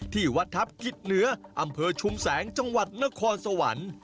ที่วัดทัพกิจเหนืออำเภอชุมแสงจังหวัดนครสวรรค์